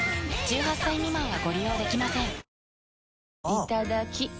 いただきっ！